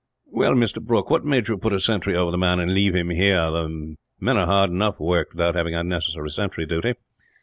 "Well, Mr. Brooke, what made you put a sentry over the man, and leave him here? The men are hard enough worked, without having unnecessary sentry duty."